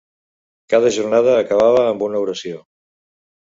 Cada jornada acabava amb una oració.